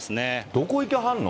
どこ行きはんの？